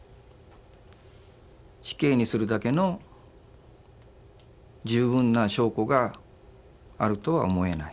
死刑にするだけの十分な証拠があるとは思えない。